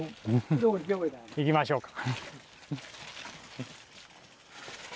行きましょうか。